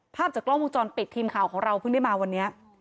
ภาพจากกล้องวงจรปิดทีมข่าวของเราเพิ่งได้มาวันนี้